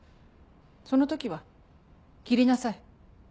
その時は切りなさい。